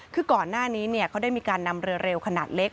คือก่อนหน้านี้เขาได้มีการนำเรือเร็วขนาดเล็ก